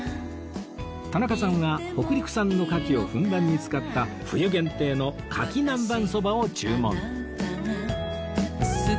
田中さんは北陸産のかきをふんだんに使った冬限定のかき南蛮そばを注文